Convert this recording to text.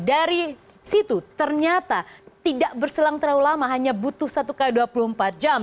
dari situ ternyata tidak berselang terlalu lama hanya butuh satu x dua puluh empat jam